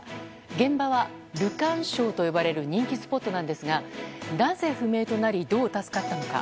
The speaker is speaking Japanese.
現場はルカン礁と呼ばれる人気スポットなんですがなぜ不明となりどう助かったのか。